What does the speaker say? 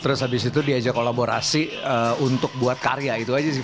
terus habis itu diajak kolaborasi untuk buat karya itu aja sih